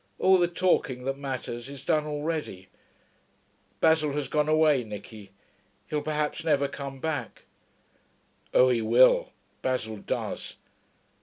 'All the talking that matters is done already.... Basil has gone away, Nicky. He'll perhaps never come back.' 'Oh, he will. Basil does.'